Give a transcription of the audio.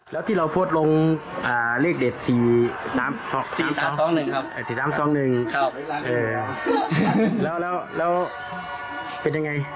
แล้วที่เราโพสลงอ่าเลขเด็ด๔๓๒๑ครับ๔๓๒๑ครับครับเอ่อแล้วแล้วแล้วเป็นยังไง